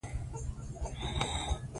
د ژبي ارزښت باید زدهکوونکو ته وښودل سي.